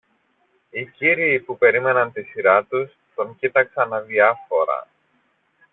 Οι κύριοι που περίμεναν τη σειρά τους τον κοίταξαν αδιάφορα